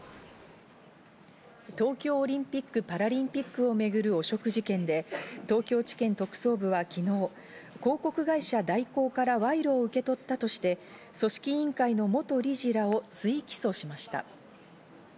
東京オリンピック・パラリンピックを巡る汚職事件で東京地検特捜部は昨日、広告会社・大広から賄賂を受け取ったとして、組織委員会の元理事らを追起訴しました。